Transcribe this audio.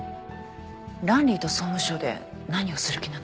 ランリーと総務省で何をする気なの？